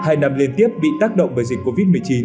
hai năm liên tiếp bị tác động bởi dịch covid một mươi chín